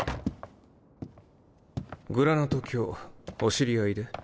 グラナト卿お知り合いで？